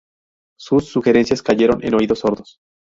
Sus sugerencias cayeron en oídos sordos.